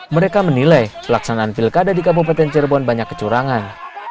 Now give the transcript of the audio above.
mereka menilai pelaksanaan pilkada di kabupaten cirebon banyak kecurangan